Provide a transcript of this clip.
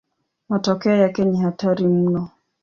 Matokeo yake ni hatari mno.